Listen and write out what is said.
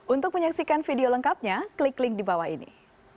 untuk menyaksikan video lengkapnya klik link di bawah ini